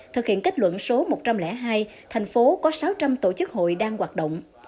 thực hiện kết luận số một trăm linh hai thành phố có sáu trăm linh tổ chức hội đang hoạt động